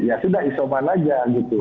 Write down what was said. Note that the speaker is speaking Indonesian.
ya sudah isoman aja gitu